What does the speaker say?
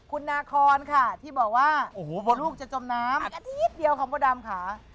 คุณนาคอนค่ะที่บอกว่าโอ้โหลูกจะจมน้ำอาทิตย์เดียวของพ่อดำค่ะ